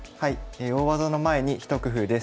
「大技の前にひと工夫」です。